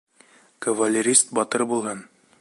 Кавалерист батыр булһын